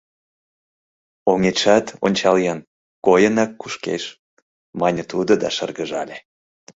— Оҥетшат, ончал-ян, койынак кушкеш, — мане тудо да шыргыжале.